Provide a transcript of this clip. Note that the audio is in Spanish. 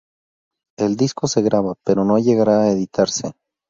El disco se graba, pero no llegará a editarse.